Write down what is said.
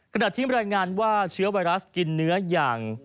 ขณะที่รายงานว่าเชื้อไวรัสกินเนื้ออย่าง